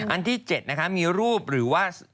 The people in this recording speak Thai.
อันที่๗นะคะมีรูปหรือว่า